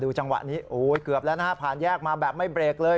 จังหวะนี้โอ้ยเกือบแล้วนะฮะผ่านแยกมาแบบไม่เบรกเลย